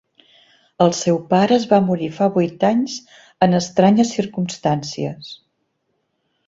El seu pare es va morir fa vuit anys en estranyes circumstàncies.